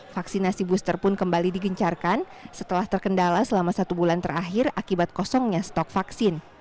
vaksinasi booster pun kembali digencarkan setelah terkendala selama satu bulan terakhir akibat kosongnya stok vaksin